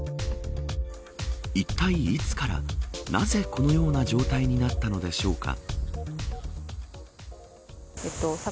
いったい、いつからなぜこのような状態になったのでしょうか。